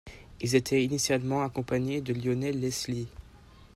Ils étaient initialement accompagnés de Lionel Leslie.